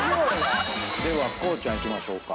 では光ちゃんいきましょうか。